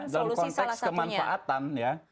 solusi salah satunya